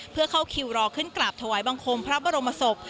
เพื่อเข้าคิวรอขึ้นกราบถวายบังคมพระบรมศพ